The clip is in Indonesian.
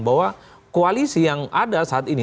bahwa koalisi yang ada saat ini